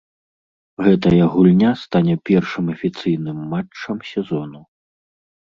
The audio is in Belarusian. Гэтая гульня стане першым афіцыйным матчам сезону.